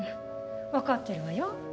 分かってるわよ。